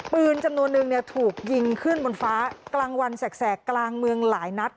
ปืนจำนวนนึงเนี่ยถูกยิงขึ้นบนฟ้ากลางวันแสกกลางเมืองหลายนัด